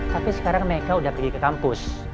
tapi sekarang mereka udah pergi ke kampus